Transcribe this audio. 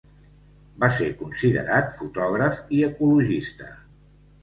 Va ser considerat fotògraf i ecologista.